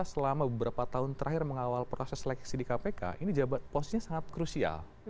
karena kita sudah beberapa tahun terakhir mengawal proses seleksi di kpk ini jabat posnya sangat krusial